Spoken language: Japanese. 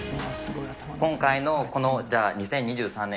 今回のこの２０２３年